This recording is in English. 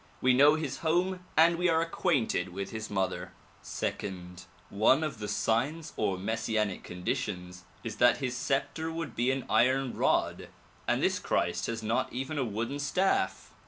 We know his home and we are acquainted with his mother. 194 THE PROMULGATION OF UNIVERSAL PEACE ''Second: One of the signs or messianic conditions is that his scepter would be an iron rod, and this Christ has not even a wooden staff.